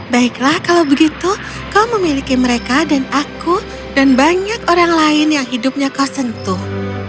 baiklah kalau begitu kau memiliki mereka dan aku dan banyak orang lain yang hidupnya kau sentuh